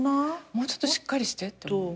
もうちょっとしっかりしてって思う。